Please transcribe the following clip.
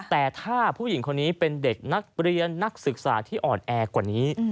แต่ถ้าผู้หญิงคนนี้เป็นเด็กนักเรียนนักศึกษาที่อ่อนแอกว่านี้